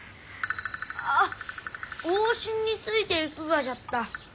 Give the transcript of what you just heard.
あっ往診についていくがじゃった。